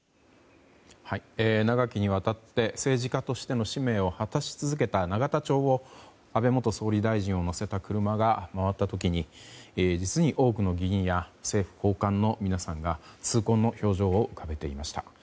長きにわたって政治家としての使命を果たし続けた永田町を安倍元総理を乗せた車が回った時に実に多くの議員や政府高官の皆さんが痛恨の表情を浮かべていました。